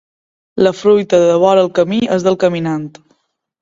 La fruita de vora el camí és del caminant.